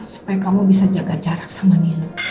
supaya kamu bisa jaga jarak sama nina